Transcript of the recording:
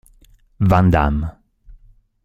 Van Damme